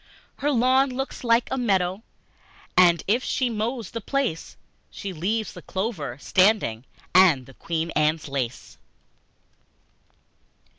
Her lawn looks like a meadow, And if she mows the place She leaves the clover standing And the Queen Anne's Lace!